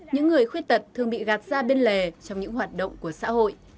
những người khuyết tật thường bị gạt ra bên lề trong những hoạt động của xã hội